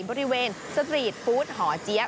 บริเวณสตรีทฟู้ดหอเจี๊ยบ